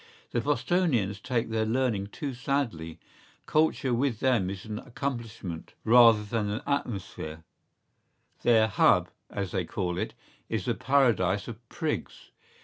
¬Ý The Bostonians take their learning too sadly; culture with them is an accomplishment rather than an atmosphere; their “Hub,” as they call it, is the paradise of prigs.